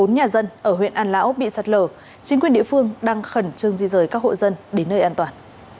bốn nhà dân ở huyện an lão bị sạt lở chính quyền địa phương đang khẩn trương di rời các hộ dân đến nơi an toàn